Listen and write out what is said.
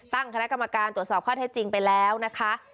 ตั้งคณะกรรมการตรวจสอบข้อเท็จจริงไปแล้วนะคะ